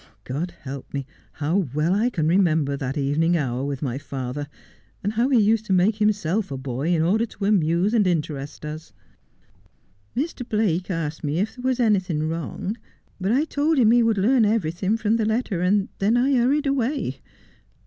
God help me ! How well I can remember that evening hour with my father, and how he used to make himself a boy in order to amuse and interest us.' ' Mr. Blake asked me if there was anything wrong, but I told him that he would learn everything from the letter, and then I hurried away.